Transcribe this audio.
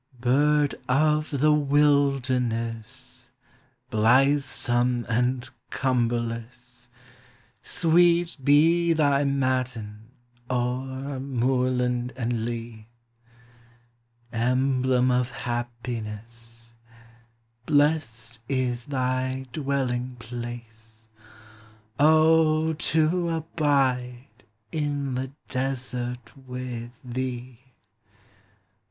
Bird of the wilderness, Blithesome and cumberless, Sweet be thy matin o'er moorland and leal Emblem of happiness, Blest is thy dwelling place, — O, to abide in the desert with thee!